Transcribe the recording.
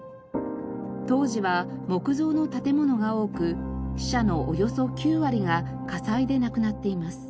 当時は木造の建物が多く死者のおよそ９割が火災で亡くなっています。